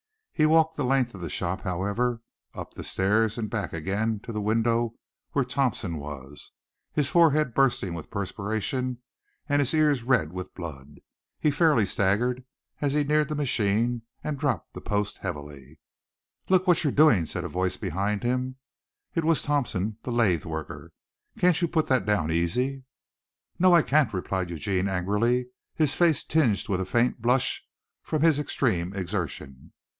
He walked the length of the shop, however, up the stairs and back again to the window where Thompson was, his forehead bursting with perspiration and his ears red with blood. He fairly staggered as he neared the machine and dropped the post heavily. "Look what you're doin'," said a voice behind him. It was Thompson, the lathe worker. "Can't you put that down easy?" "No, I can't," replied Eugene angrily, his face tinged with a faint blush from his extreme exertion.